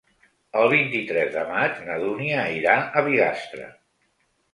El vint-i-tres de maig na Dúnia irà a Bigastre.